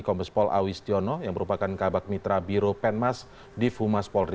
kompas pol awi styono yang merupakan kabak mitra biro penmas di fumas polri